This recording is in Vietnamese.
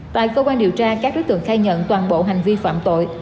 tại cơ quan điều tra các đối tượng khai nhận toàn bộ hành vi phạm tội